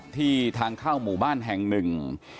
ที่ทางเข้าหมู่บ้านแห่งหนึ่ง